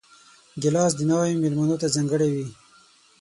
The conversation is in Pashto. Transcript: ګیلاس د ناوې مېلمنو ته ځانګړی وي.